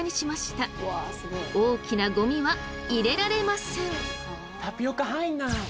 大きなゴミは入れられません。